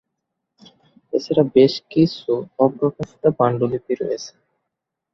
এছাড়া বেশ কিছু অপ্রকাশিত পাণ্ডুলিপি রয়েছে।